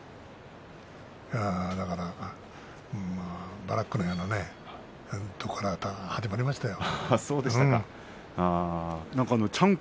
だからバラックのようなところから始まりましたよ。